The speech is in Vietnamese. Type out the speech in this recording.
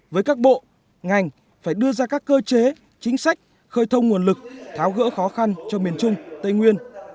với các bộ ngành phải đưa ra các cơ chế chính sách khơi thông nguồn lực tháo gỡ khó khăn cho miền trung tây nguyên